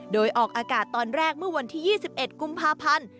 โดยออกอากาศตอนแรกเมื่อวันที่๒๑กุมภาพันธ์